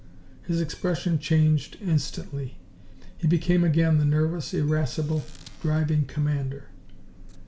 His expression changed instantly; he became again the nervous, irascible, driving commander.